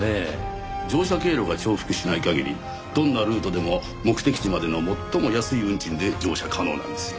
乗車経路が重複しない限りどんなルートでも目的地までの最も安い運賃で乗車可能なんですよ。